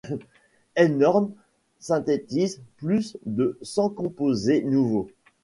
Einhorn synthétise plus de cent composés nouveaux.